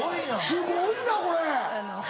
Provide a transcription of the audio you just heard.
すごいなこれ！